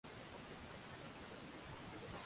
Oqibat, yalong‘och qirol bo‘lib qoldilar.